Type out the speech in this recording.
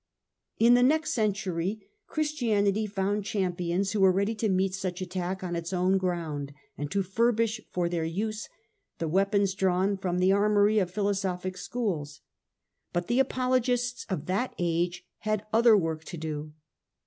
In the next century Christianity found champions who were ready to meet such attack on its own ground, and to furbish for their use the weapons drawn from the armoury of philosophic schools. But the Apologists of that age had other work to do.